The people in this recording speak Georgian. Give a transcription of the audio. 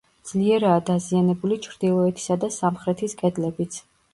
ძლიერაა დაზიანებული ჩრდილოეთისა და სამხრეთის კედლებიც.